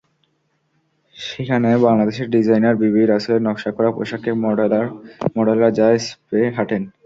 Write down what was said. সেখানে বাংলাদেশের ডিজাইনার বিবি রাসেলের নকশা করা পোশাকে মডেলরা র্যা ম্পে হাঁটেন।